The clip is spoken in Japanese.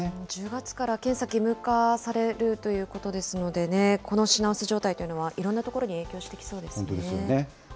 １０月から検査、義務化されるということですのでね、この品薄状態というのは、いろんなところに影響してきそうですよね。